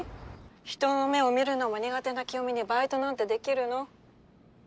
人の目を見るのも苦手な清美にバイトなんてできるの？